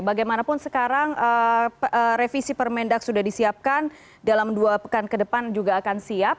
walaupun sekarang revisi permendak sudah disiapkan dalam dua pekan kedepan juga akan siap